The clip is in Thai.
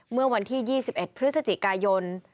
เมื่อวันที่๒๑พฤศจิกายน